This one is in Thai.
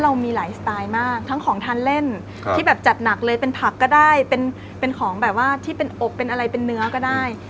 เรามีหลายสไตล์มากทั้งของทานเล่นที่แบบจัดหนักเลยเป็นผักก็ได้เป็นของแบบว่าที่เป็นอบเป็นอะไรเป็นเนื้อก็ได้